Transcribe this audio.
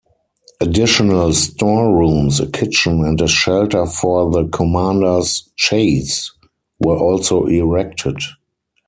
Additional storerooms, a kitchen and a shelter for the Commander's "chaise" were also erected.